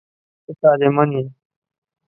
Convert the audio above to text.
ته طالع من یې.